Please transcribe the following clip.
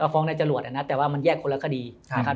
ฟ้องนายจรวดนะแต่ว่ามันแยกคนละคดีนะครับ